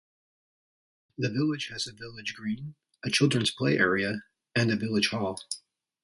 The village has a village green, a children's play area, and a village hall.